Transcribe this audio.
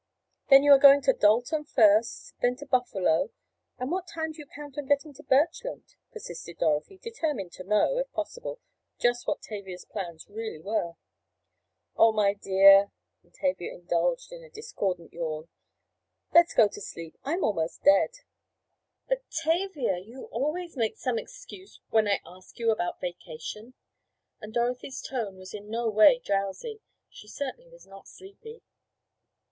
"Then you are going to Dalton first, then to Buffalo, and what time do you count on getting to Birchland?" persisted Dorothy, determined to know, if possible, just what Tavia's plans really were. "Oh, my dear," and Tavia indulged in a discordant yawn, "do let's go to sleep. I'm almost dead." "But, Tavia, you always make some excuse when I ask you about vacation," and Dorothy's tone was in no way drowsy—she certainly was not sleepy.